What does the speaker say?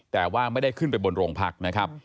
แต่ว่าไม่ได้ขึ้นไปบนโรงพักนะครับ